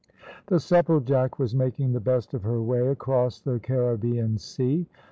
The Supplejack was making the best of her way across the Caribbean sea.